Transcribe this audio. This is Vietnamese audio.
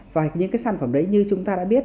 và những cái sản phẩm đấy như chúng ta đã biết